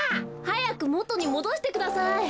はやくもとにもどしてください。